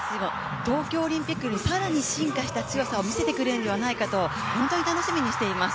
東京オリンピックより更に進化した強さを見せてくれるのではないかと本当に楽しみにしています。